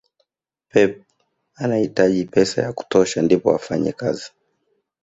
pep amahitaji pesa ya kutosha ndipo afanye kazi